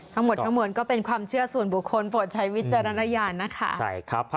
ทั้งหมดทั้งมวลก็เป็นความเชื่อส่วนบุคคลโปรดใช้วิจารณญาณนะคะ